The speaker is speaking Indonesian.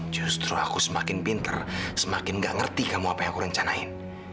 justru aku semakin pinter semakin gak ngerti kamu apa yang aku rencanain